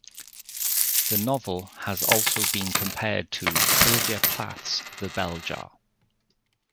The novel has also been compared to Sylvia Plath's "The Bell Jar".